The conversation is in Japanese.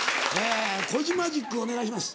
コジマジックお願いします。